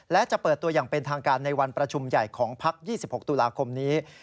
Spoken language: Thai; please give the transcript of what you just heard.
และจะเปิดตัวอย่างเป็นทางการในวันประชุมใหญ่ของพัก๒๖ตุลาคมนี้